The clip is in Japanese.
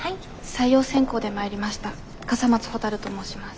採用選考で参りました笠松ほたると申します。